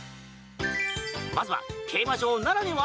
まずは競馬場ならでは？